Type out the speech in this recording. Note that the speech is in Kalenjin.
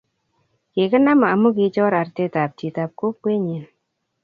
kikiknam amu kichor artetab chitab kokwenyin.